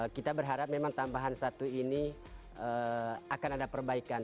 kita berharap memang tambahan satu ini akan ada perbaikan